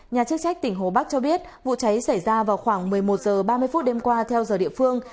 nhà chức trách tỉnh hồ bắc cho biết vụ cháy xảy ra vào khoảng một mươi một h ba mươi phút đêm qua theo giờ địa phương